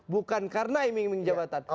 bukan karena iming iming jabatan